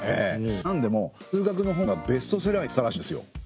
なんでも数学の本がベストセラーになってたらしいんですよ。